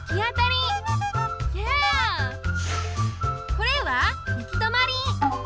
これは行き止まり。